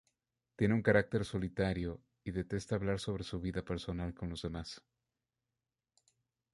Tiene un carácter solitario, y detesta hablar sobre su vida personal con los demás.